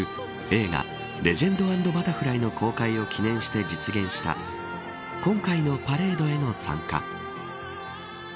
映画レジェンド＆バタフライの公開を記念して実現した今回のパレードへの参加。